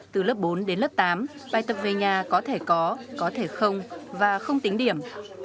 từ lớp bốn đến lớp tám bài tập về nhà có thể có có thể không và không tính điểm